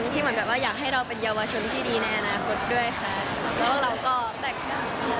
เหมือนแบบว่าอยากให้เราเป็นเยาวชนที่ดีในอนาคตด้วยค่ะ